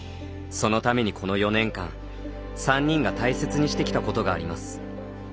そのために、この４年間３人が大切にしてきたことがあります。